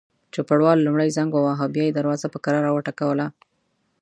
چوپړوال لومړی زنګ وواهه، بیا یې دروازه په کراره وټکوله.